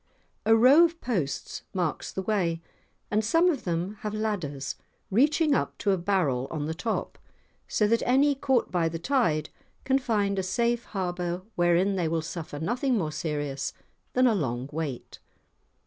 A row of posts marks the way, and some of them have ladders, reaching up to a barrel on the top, so that any caught by the tide can find a safe harbour wherein they will suffer nothing more serious than a long wait!